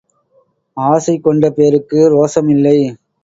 ஆசை கொண்ட பேருக்கு ரோசம் இல்லை.